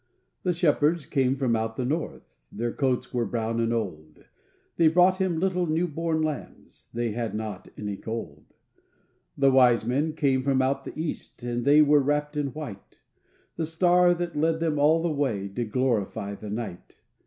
The shepherds came from out the north, Their coats were brown and old, They brought Him little new born lambs They had not any gold. The wise men came from out the east, And they were wrapped in white; The star that led them all the way Did glorify the night.